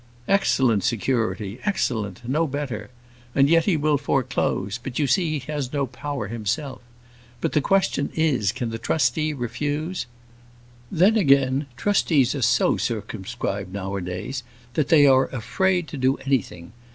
"Excellent security, excellent; no better; and yet he will foreclose; but you see he has no power himself. But the question is, can the trustee refuse? Then, again, trustees are so circumscribed nowadays that they are afraid to do anything.